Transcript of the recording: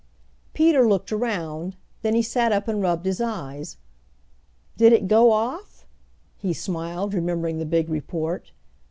Peter looked around, then he sat up and rubbed his eyes. "Did it go off?" he smiled, remembering the big report.